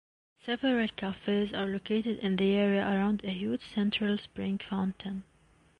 Several cafes are located in the area around a huge central spring fountain.